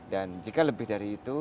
dan jika lebih dari itu